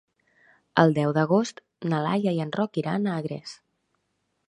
El deu d'agost na Laia i en Roc iran a Agres.